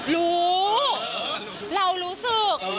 รู้เรารู้สึก